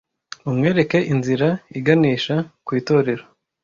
mumwereke inzira iganisha ku itorero